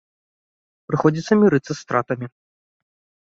Прыходзіцца мірыцца з стратамі.